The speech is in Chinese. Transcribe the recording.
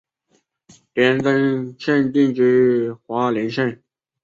李元贞现定居花莲县。